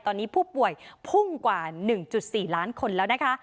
ตอนนี้ผู้ป่วยพุ่งกว่า๑๔ล้านคนแล้วนะคะ